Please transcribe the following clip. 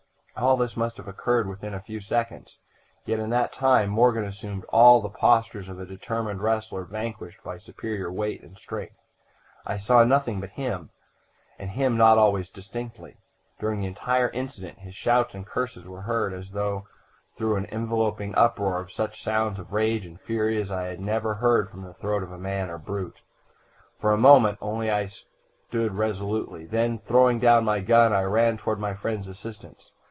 "All this must have occurred within a few seconds, yet in that time Morgan assumed all the postures of a determined wrestler vanquished by superior weight and strength. I saw nothing but him, and him not always distinctly. During the entire incident his shouts and curses were heard, as if through an enveloping uproar of such sounds of rage and fury as I had never heard from the throat of man or brute! "For a moment only I stood irresolute, then, throwing down my gun, I ran forward to my friend's assistance.